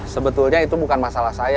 sebetulnya itu bukan masalah saya